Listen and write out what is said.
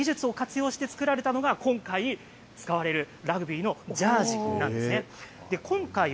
そうして培われた技術を活用して作られたのが今回使われるラグビーのジャージなんです。